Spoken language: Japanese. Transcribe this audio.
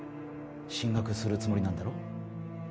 進学するつもりなんだろう？